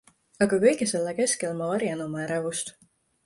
Aga kõige selle keskel ma varjan oma ärevust.